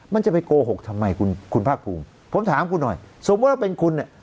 มันจะไปโกหกทำไมคุณคุณภาคภูมิผมถามคุณหน่อยสมมุติว่าเป็นคุณเนี่ย